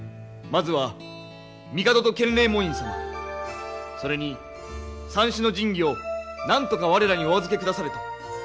まずは帝と建礼門院様それに三種の神器をなんとか我らにお預けくだされと。